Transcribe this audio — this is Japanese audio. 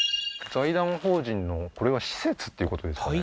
財団法人のこれは施設っていうことですかね？